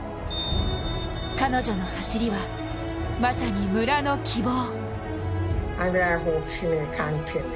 彼女の走りはまさに村の希望。